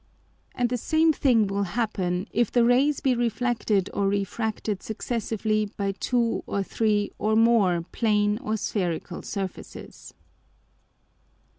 And the same thing will happen, if the Rays be reflected or refracted successively by two or three or more Plane or Spherical Surfaces.